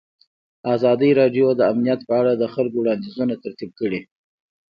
ازادي راډیو د امنیت په اړه د خلکو وړاندیزونه ترتیب کړي.